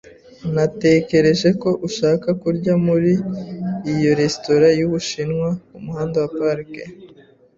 Natekereje ko ushaka kurya muri iyo resitora y'Ubushinwa kumuhanda wa Park.